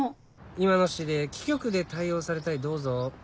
今の指令貴局で対応されたいどうぞ。